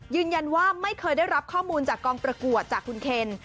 ๒ยืนยันว่าไม่เคยได้รับข้อมูลจากกองประกวดจากคุณเคน